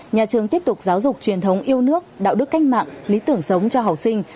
nhà trường tiếp tục giáo dục truyền thống yêu nước đạo đức cách mạng lý tưởng sống cho học sinh